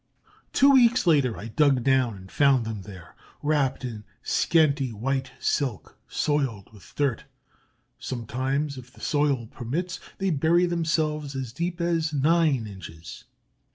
Two weeks later I dug down and found them there, wrapped in scanty white silk, soiled with dirt. Sometimes, if the soil permits, they bury themselves as deep as nine inches.